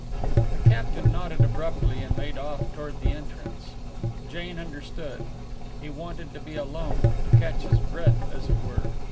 The captain nodded abruptly and made off toward the entrance. Jane understood. He wanted to be alone to catch his breath, as it were.